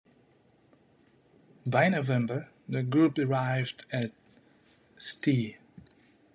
By November, the group arrived at Ste.